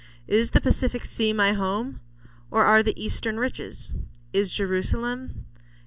Is the Pacific sea my home ? Or are The eastern riches ? Is Jerusalem